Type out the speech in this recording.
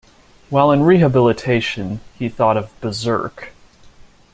While in rehabilitation, he thought of "Berzerk".